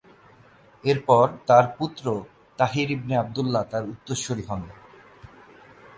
এরপর তার পুত্র তাহির ইবনে আবদুল্লাহ তার উত্তরসুরি হন।